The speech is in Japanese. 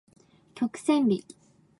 曲線美